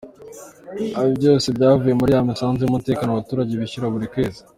Ati "Ibi byose byavuye muri ya misanzu y’umutekano abaturage bishyura buri kwezi.